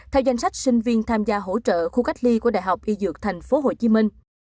theo danh sách sinh viên tham gia hỗ trợ khu cách ly của đại học y dược tp hcm